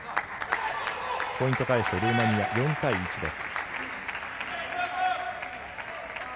ポイント返してルーマニア４対１です。